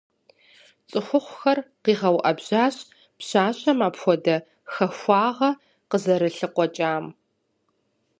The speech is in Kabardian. ЦӀыхухъухэр къигъэуӀэбжьащ пщащэм апхуэдэ хахуагъэ къызэрылъыкъуэкӀам.